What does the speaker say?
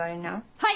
はい！